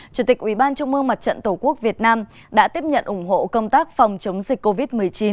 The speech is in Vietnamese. chủ tịch ủy ban trung mương mặt trận tổ quốc việt nam đã tiếp nhận ủng hộ công tác phòng chống dịch covid một mươi chín